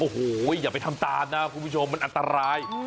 โอ้โหอย่าไปทำตามนะคุณผู้ชมมันอันตราย